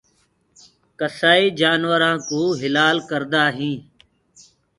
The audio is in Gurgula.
ڪسآئي جآنورآ ڪوُ هلآ ڪردآ هينٚ